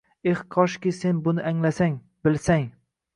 Eh koshki sen buni anglasang, bilsang…